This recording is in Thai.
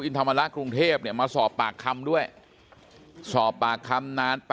อินทรมาลักษณ์กรุงเทพเนี่ยมาสอบปากคำด้วยสอบปากคำนาน๘